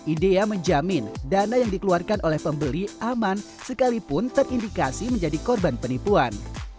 idea menjamin dana yang dikeluarkan oleh pembeli aman sekalipun terindikasi menjadi korban penipuan